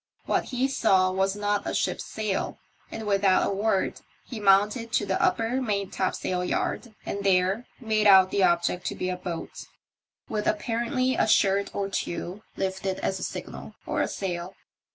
What he saw was not a ship's sail, and without a word he mounted to the upper main topsail yard, and there made out the object to be a boat, with apparently a 18 TEE MYSTERY OF TEE '^ OCEAN STAB. shirt or two lifted as a signal or a sail.